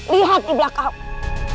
lihat di belakangmu